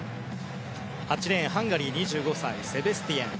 ８レーン、ハンガリー２５歳、セベスティエン。